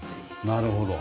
なるほど。